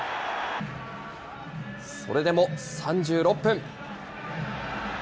それでも３６分。